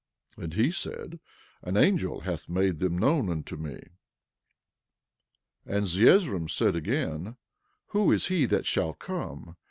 11:31 And he said: An angel hath made them known unto me. 11:32 And Zeezrom said again: Who is he that shall come?